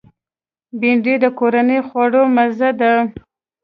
بېنډۍ د کورنیو خوړو مزه ده